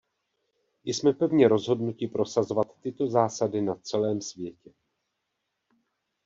Jsme pevně rozhodnuti prosazovat tyto zásady na celém světě.